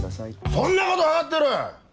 そんなこと分かってる！